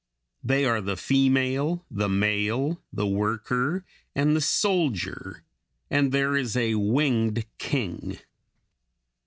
They are the female, the male, the worker, and the soldier; and there is a winged king.